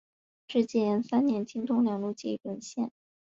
至建炎三年京东两路皆已沦陷。